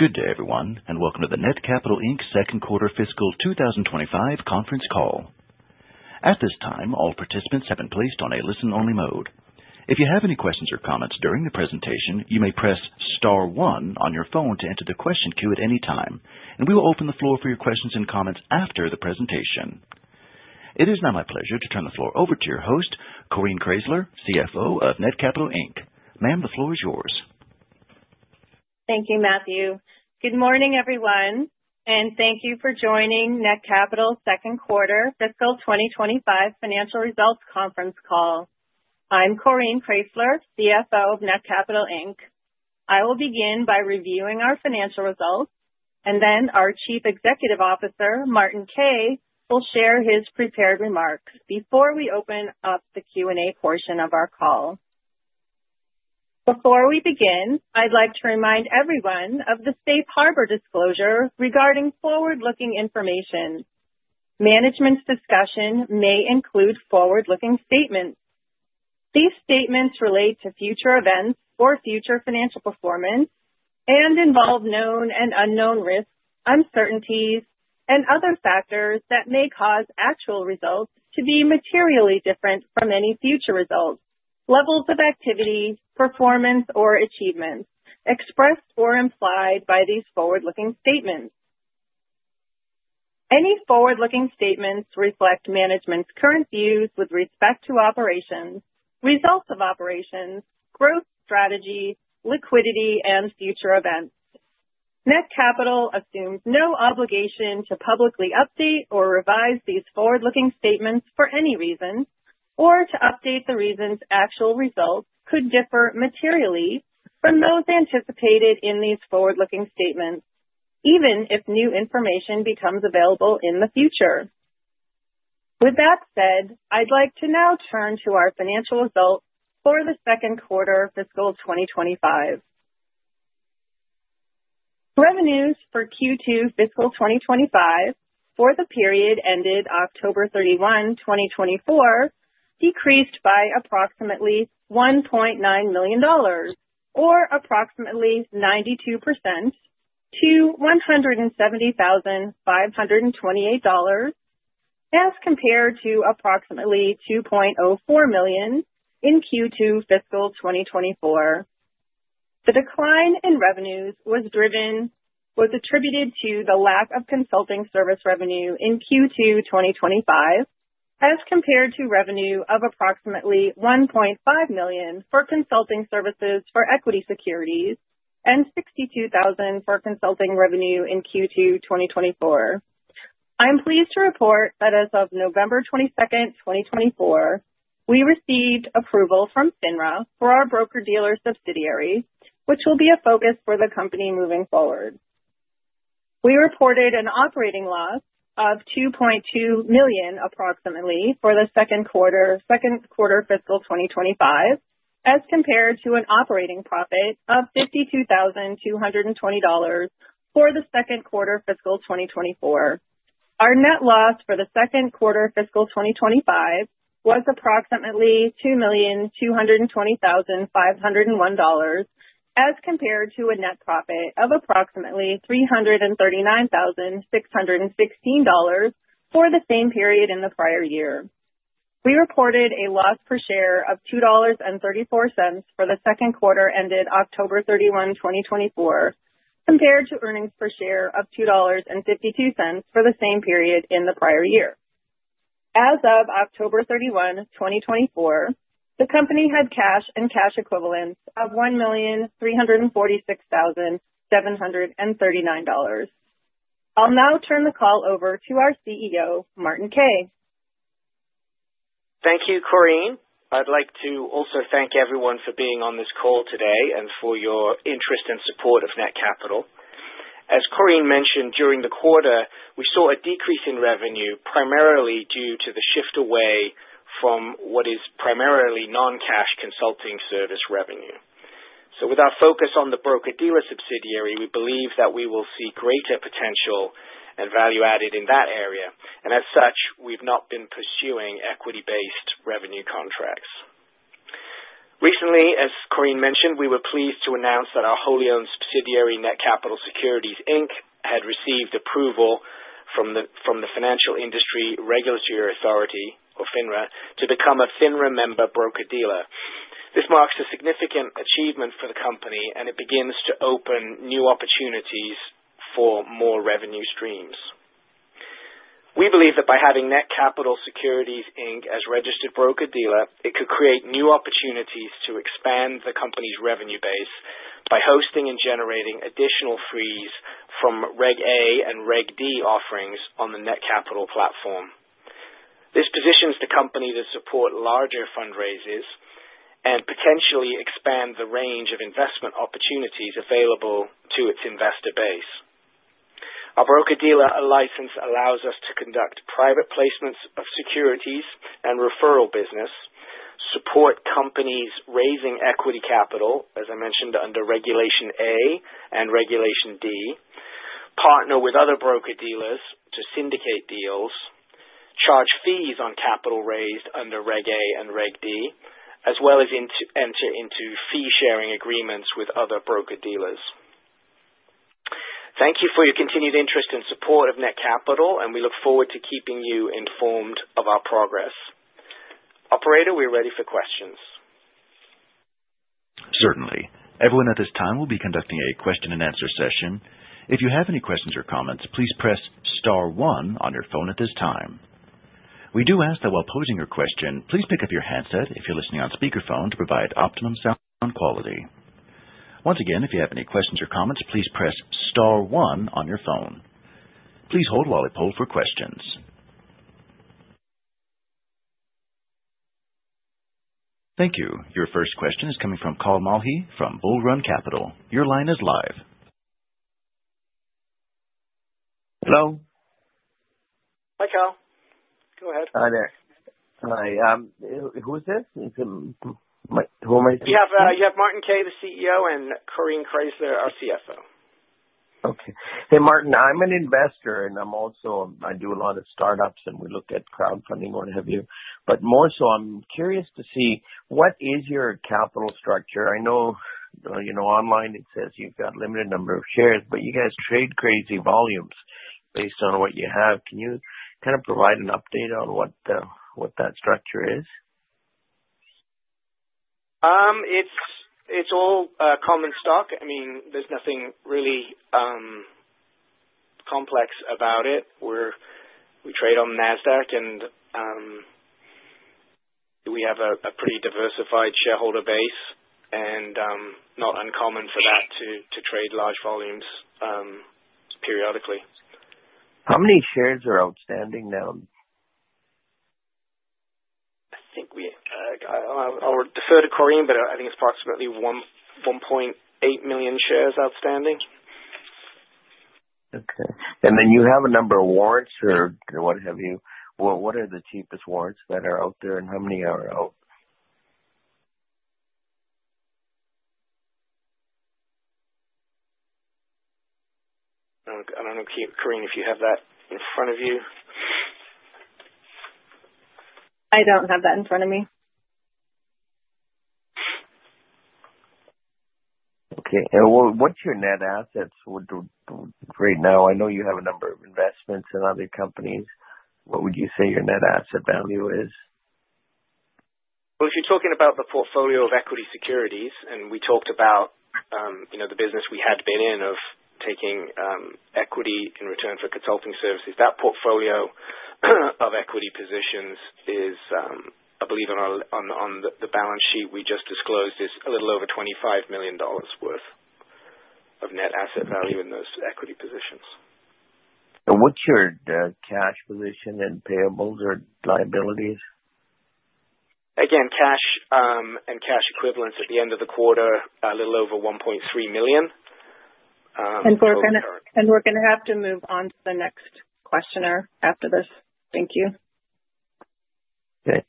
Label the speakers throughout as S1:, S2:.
S1: Good day, everyone, and welcome to the Netcapital Inc Second Quarter Fiscal 2025 conference call. At this time, all participants have been placed on a listen-only mode. If you have any questions or comments during the presentation, you may press star one on your phone to enter the question queue at any time, and we will open the floor for your questions and comments after the presentation. It is now my pleasure to turn the floor over to your host, Coreen Kraysler, CFO of Netcapital Inc. Ma'am, the floor is yours.
S2: Thank you, Matthew. Good morning, everyone, and thank you for joining Netcapital's second quarter fiscal 2025 financial results conference call. I'm Coreen Kraysler, CFO of Netcapital Inc. I will begin by reviewing our financial results, and then our Chief Executive Officer, Martin Kay, will share his prepared remarks before we open up the Q&A portion of our call. Before we begin, I'd like to remind everyone of the safe harbor disclosure regarding forward-looking information. Management's discussion may include forward-looking statements. These statements relate to future events or future financial performance and involve known and unknown risks, uncertainties, and other factors that may cause actual results to be materially different from any future results, levels of activity, performance, or achievements expressed or implied by these forward-looking statements. Any forward-looking statements reflect management's current views with respect to operations, results of operations, growth strategy, liquidity, and future events. Netcapital assumes no obligation to publicly update or revise these forward-looking statements for any reason or to update the reasons actual results could differ materially from those anticipated in these forward-looking statements, even if new information becomes available in the future. With that said, I'd like to now turn to our financial results for the second quarter fiscal 2025. Revenues for Q2 fiscal 2025 for the period ended October 31, 2024, decreased by approximately $1.9 million or approximately 92% to $170,528 as compared to approximately $2.04 million in Q2 fiscal 2024. The decline in revenues was attributed to the lack of consulting service revenue in Q2 2025 as compared to revenue of approximately $1.5 million for consulting services for equity securities and $62,000 for consulting revenue in Q2 2024. I'm pleased to report that as of November 22nd, 2024, we received approval from FINRA for our broker-dealer subsidiary, which will be a focus for the company moving forward. We reported an operating loss of $2.2 million approximately for the second quarter fiscal 2025 as compared to an operating profit of $52,220 for the second quarter fiscal 2024. Our net loss for the second quarter fiscal 2025 was approximately $2,220,501 as compared to a net profit of approximately $339,616 for the same period in the prior year. We reported a loss per share of $2.34 for the second quarter ended October 31, 2024, compared to earnings per share of $2.52 for the same period in the prior year. As of October 31, 2024, the company had cash and cash equivalents of $1,346,739. I'll now turn the call over to our CEO, Martin Kay.
S3: Thank you, Coreen. I'd like to also thank everyone for being on this call today and for your interest and support of Netcapital. As Coreen mentioned, during the quarter, we saw a decrease in revenue primarily due to the shift away from what is primarily non-cash consulting service revenue. So with our focus on the broker-dealer subsidiary, we believe that we will see greater potential and value added in that area. And as such, we've not been pursuing equity-based revenue contracts. Recently, as Coreen mentioned, we were pleased to announce that our wholly-owned subsidiary, Netcapital Securities Inc, had received approval from the Financial Industry Regulatory Authority, or FINRA, to become a FINRA member broker-dealer. This marks a significant achievement for the company, and it begins to open new opportunities for more revenue streams. We believe that by having Netcapital Securities Inc as registered broker-dealer, it could create new opportunities to expand the company's revenue base by hosting and generating additional fees from Reg A and Reg D offerings on the Netcapital platform. This positions the company to support larger fundraisers and potentially expand the range of investment opportunities available to its investor base. Our broker-dealer license allows us to conduct private placements of securities and referral business, support companies raising equity capital, as I mentioned, under Regulation A and Regulation D, partner with other broker-dealers to syndicate deals, charge fees on capital raised under Reg A and Reg D, as well as enter into fee-sharing agreements with other broker-dealers. Thank you for your continued interest and support of Netcapital, and we look forward to keeping you informed of our progress. Operator, we're ready for questions.
S1: Certainly. Everyone at this time will be conducting a question-and-answer session. If you have any questions or comments, please press star one on your phone at this time. We do ask that while posing your question, please pick up your handset if you're listening on speakerphone to provide optimum sound quality. Once again, if you have any questions or comments, please press star one on your phone. Please hold while I pull for questions. Thank you. Your first question is coming from Kal Malhi from Bullrun Capital. Your line is live.
S4: Hello.
S1: Hi, Kal. Go ahead.
S4: Hi there. Hi. Who is this? Who am I speaking to?
S1: You have Martin Kay, the CEO, and Coreen Kraysler, our CFO.
S4: Okay. Hey, Martin, I'm an investor, and I do a lot of startups, and we look at crowdfunding or what have you. But more so, I'm curious to see what is your capital structure? I know online it says you've got a limited number of shares, but you guys trade crazy volumes based on what you have. Can you kind of provide an update on what that structure is?
S3: It's all common stock. I mean, there's nothing really complex about it. We trade on Nasdaq, and we have a pretty diversified shareholder base, and not uncommon for that to trade large volumes periodically.
S4: How many shares are outstanding now?
S3: I think I'll defer to Coreen, but I think it's approximately 1.8 million shares outstanding.
S4: Okay, and then you have a number of warrants or what have you? What are the cheapest warrants that are out there, and how many are out?
S3: I don't know, Coreen, if you have that in front of you?
S2: I don't have that in front of me.
S4: Okay. And what's your net assets right now? I know you have a number of investments in other companies. What would you say your net asset value is?
S3: Well, if you're talking about the portfolio of equity securities, and we talked about the business we had been in of taking equity in return for consulting services, that portfolio of equity positions is, I believe, on the balance sheet we just disclosed, is a little over $25 million worth of net asset value in those equity positions.
S4: What's your cash position in payables or liabilities?
S3: Again, cash and cash equivalents at the end of the quarter, a little over $1.3 million.
S2: And we're going to have to move on to the next questioner after this. Thank you.
S4: Okay.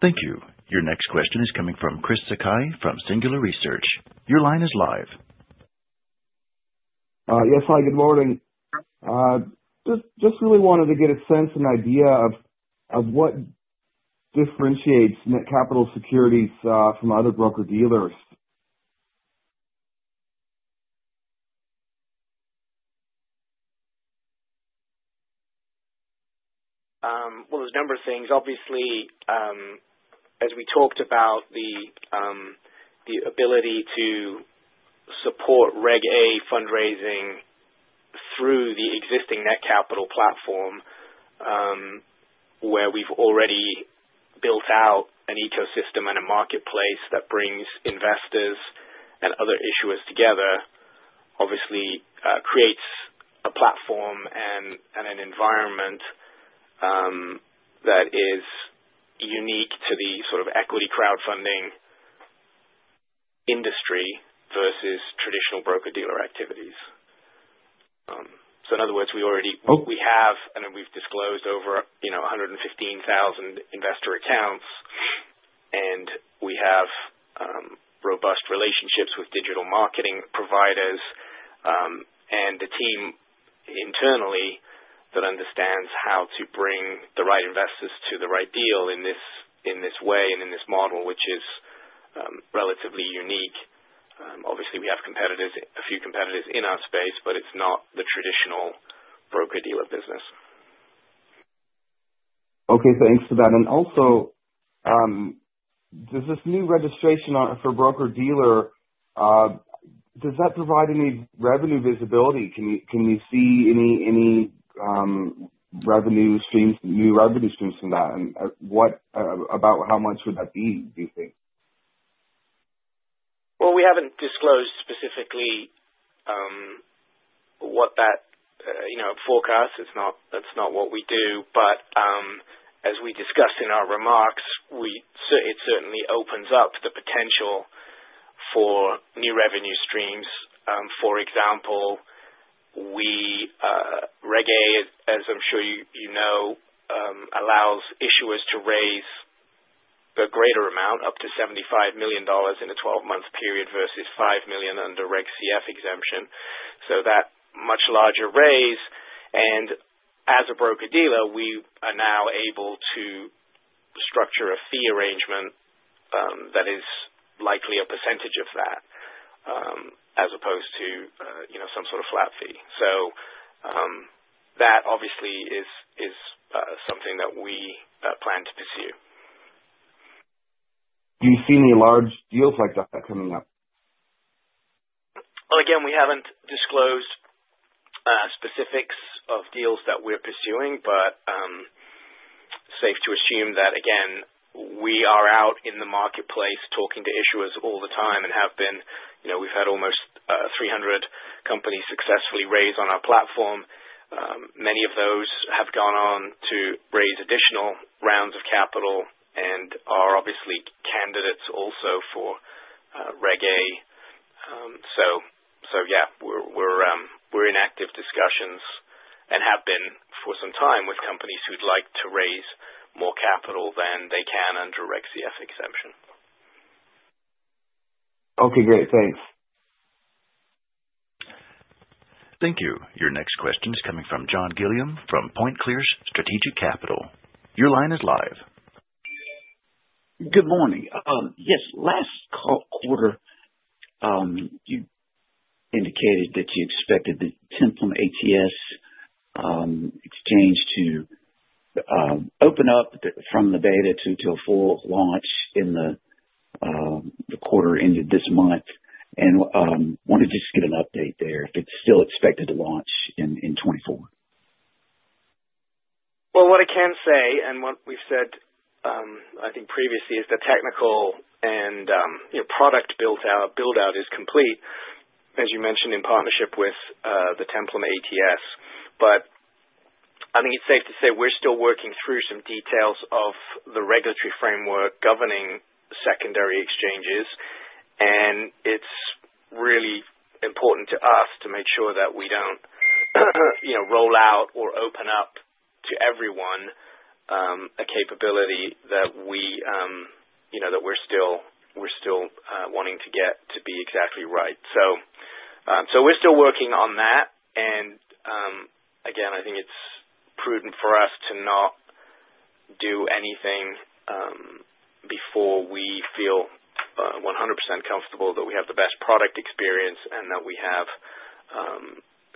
S1: Thank you. Your next question is coming from Chris Sakai from Singular Research. Your line is live.
S5: Yes, hi. Good morning. Just really wanted to get a sense and idea of what differentiates Netcapital Securities from other broker-dealers.
S3: There's a number of things. Obviously, as we talked about the ability to support Reg A fundraising through the existing Netcapital platform, where we've already built out an ecosystem and a marketplace that brings investors and other issuers together, obviously creates a platform and an environment that is unique to the sort of equity crowdfunding industry versus traditional broker-dealer activities. So in other words, we have, and we've disclosed over 115,000 investor accounts, and we have robust relationships with digital marketing providers and a team internally that understands how to bring the right investors to the right deal in this way and in this model, which is relatively unique. Obviously, we have a few competitors in our space, but it's not the traditional broker-dealer business.
S5: Okay. Thanks for that, and also, does this new registration for broker-dealer, does that provide any revenue visibility? Can you see any new revenue streams from that, and about how much would that be, do you think?
S3: We haven't disclosed specifically what that forecasts. That's not what we do. But as we discussed in our remarks, it certainly opens up the potential for new revenue streams. For example, Reg A, as I'm sure you know, allows issuers to raise a greater amount, up to $75 million in a 12-month period versus $5 million under Reg CF exemption. So that much larger raise. And as a broker-dealer, we are now able to structure a fee arrangement that is likely a percentage of that as opposed to some sort of flat fee. So that obviously is something that we plan to pursue.
S5: Do you see any large deals like that coming up?
S3: Again, we haven't disclosed specifics of deals that we're pursuing, but safe to assume that, again, we are out in the marketplace talking to issuers all the time and have been. We've had almost 300 companies successfully raise on our platform. Many of those have gone on to raise additional rounds of capital and are obviously candidates also for Reg A. So yeah, we're in active discussions and have been for some time with companies who'd like to raise more capital than they can under Reg CF exemption.
S5: Okay. Great. Thanks.
S1: Thank you. Your next question is coming from John Gilliam from Point Clear Strategic Capital. Your line is live.
S6: Good morning. Yes. Last quarter, you indicated that you expected the Templum ATS exchange to open up from the beta to a full launch in the quarter end of this month. And wanted just to get an update there if it's still expected to launch in 2024?
S3: What I can say, and what we've said, I think, previously is the technical and product build-out is complete, as you mentioned, in partnership with the Templum ATS, but I think it's safe to say we're still working through some details of the regulatory framework governing secondary exchanges, and it's really important to us to make sure that we don't roll out or open up to everyone a capability that we're still wanting to get to be exactly right, so we're still working on that, and again, I think it's prudent for us to not do anything before we feel 100% comfortable that we have the best product experience and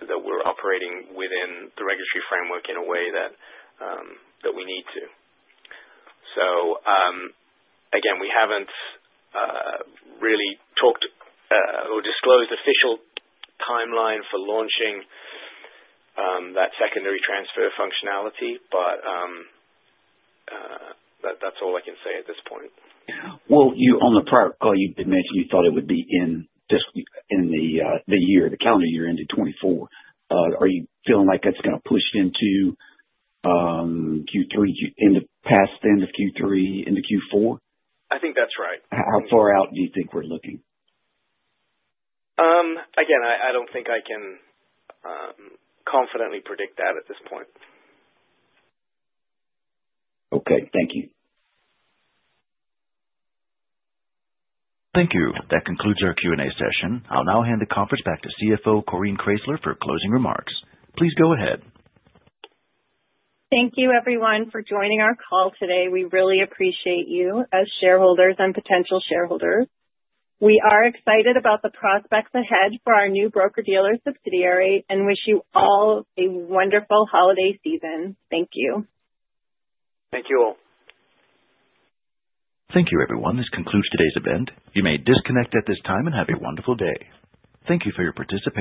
S3: that we're operating within the regulatory framework in a way that we need to. Again, we haven't really talked or disclosed the official timeline for launching that secondary transfer functionality, but that's all I can say at this point.
S6: Well, on the prior call, you mentioned you thought it would be in the calendar year end of 2024. Are you feeling like that's going to push into Q3, perhaps end of Q3, into Q4?
S3: I think that's right.
S6: How far out do you think we're looking?
S3: Again, I don't think I can confidently predict that at this point.
S6: Okay. Thank you.
S1: Thank you. That concludes our Q&A session. I'll now hand the conference back to CFO Coreen Kraysler for closing remarks. Please go ahead.
S2: Thank you, everyone, for joining our call today. We really appreciate you as shareholders and potential shareholders. We are excited about the prospects ahead for our new broker-dealer subsidiary and wish you all a wonderful holiday season. Thank you.
S3: Thank you all.
S1: Thank you, everyone. This concludes today's event. You may disconnect at this time and have a wonderful day. Thank you for your participation.